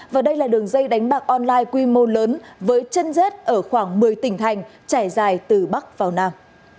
và đây là đường dây đánh bạc online quy mô lớn với chân rết ở khoảng một mươi tỉnh thành trải dài từ bắc vào nam